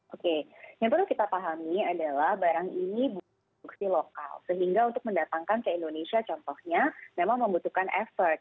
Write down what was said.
oke yang perlu kita pahami adalah barang ini bukan produksi lokal sehingga untuk mendatangkan ke indonesia contohnya memang membutuhkan efek